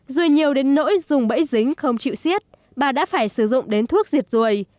rùi nhiều đến nỗi dùng bẫy dính không chịu siết bà đã phải sử dụng đến thuốc diệt rùi